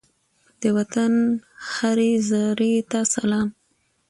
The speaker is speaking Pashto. د وطن هرې زرې ته سلام!